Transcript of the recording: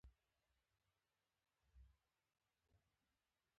• ته زما د زړه خوږه برخه یې.